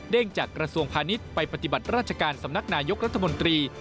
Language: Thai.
จากกระทรวงพาณิชย์ไปปฏิบัติราชการสำนักนายกรัฐมนตรี